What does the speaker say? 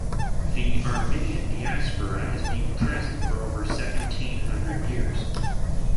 The Armenian diaspora has been present for over seventeen hundred years.